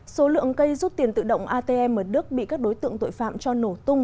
số lượng cây rút tiền tự động atm ở đức bị các đối tượng tội phạm cho nổ tung